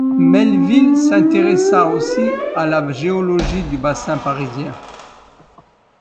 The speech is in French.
Melleville s'intéressa aussi à la géologie du Bassin parisien.